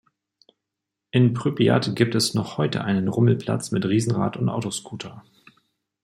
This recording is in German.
In Prypjat gibt es noch heute einen Rummelplatz mit Riesenrad und Autoscooter.